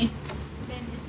bền chứ chị